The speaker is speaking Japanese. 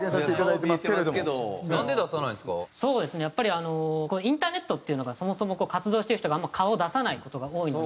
やっぱりあのインターネットっていうのがそもそも活動してる人があんまり顔出さない事が多いので。